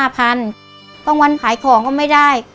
บางวันขายของก็ไม่ได้